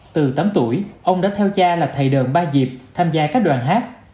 từ tám tuổi ông đã theo cha là thầy đợn ba diệp tham gia các đoàn hát